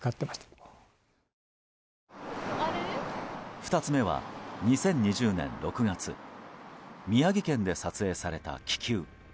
２つ目は、２０２０年６月宮城県で撮影された気球。